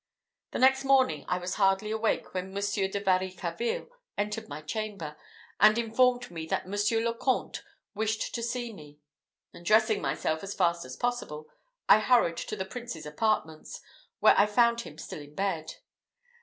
The next morning I was hardly awake, when Monsieur de Varicarville entered my chamber, and informed me that Monsieur le Comte wished to see me; and dressing myself as fast as possible, I hurried to the Prince's apartments, where I found him still in bed.